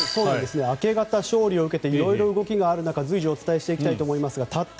明け方、勝利を受けて色々動きがある中随時お伝えしていきたいと思いますがたった